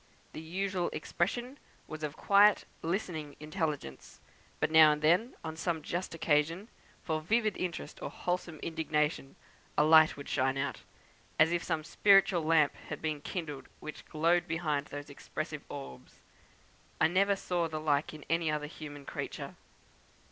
The usual expression was of quiet, listening intelligence; but now and then, on some just occasion for vivid interest or wholesome indignation, a light would shine out, as if some spiritual lamp had been kindled, which glowed behind those expressive orbs. I never saw the like in any other human creature.